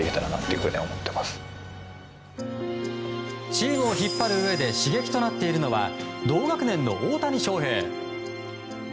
チームを引っ張るうえで刺激となっているのは同学年の大谷翔平。